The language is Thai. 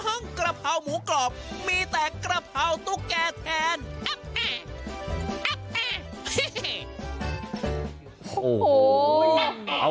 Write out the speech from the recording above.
ก็จะเอาไอ้สิ่งนั้นแหละมาแกล้งให้กลัว